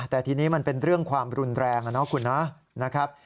แต่ทีนี้มันเป็นเรื่องความรุนแรงนะคุณเนาะนะครับ